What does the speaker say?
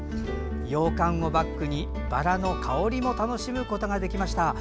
洋館をバックにバラの香りも楽しむことができました。